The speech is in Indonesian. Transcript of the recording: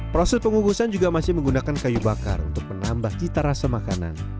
proses pengukusan juga masih menggunakan kayu bakar untuk menambah cita rasa makanan